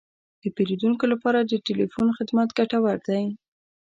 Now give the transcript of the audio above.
د پیرودونکو لپاره د تلیفون خدمت ګټور دی.